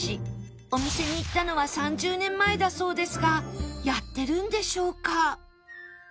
お店に行ったのは３０年前だそうですがやってるんでしょうか？